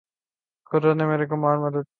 قدرت نے میری کمال مدد کی